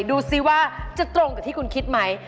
ดูสิว่าจะตรงกับที่คุณคิดไหม